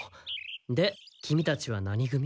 でキミたちは何組？